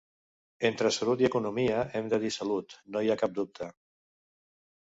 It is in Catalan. Entre salut i economia hem de dir salut, no hi ha cap dubte.